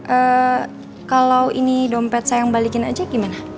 eee kalau ini dompet saya yang balikin aja gimana